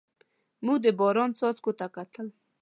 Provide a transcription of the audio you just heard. موږ د باران څاڅکو ته کتل.